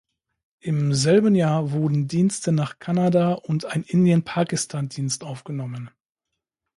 Im selben Jahr wurden Dienste nach Kanada und ein Indien-Pakistan-Dienst aufgenommen.